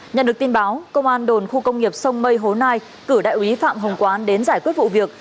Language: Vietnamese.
nhận được tin báo công an đồn khu công nghiệp sông mây hố nai cử đại úy phạm hồng quán đến giải quyết vụ việc